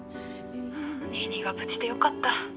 ☎ニーニーが無事でよかった。